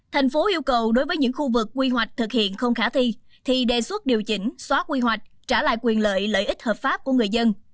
thành phố yêu cầu đối với những khu vực quy hoạch thực hiện không khả thi thì đề xuất điều chỉnh xóa quy hoạch trả lại quyền lợi lợi ích hợp pháp của người dân